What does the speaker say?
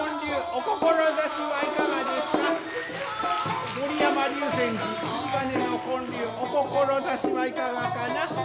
お志はいかがかな？